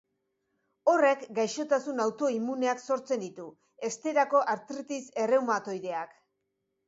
Horrek gaixotasun autoimmuneak sortzen ditu, esterako artritis erreumatoideak.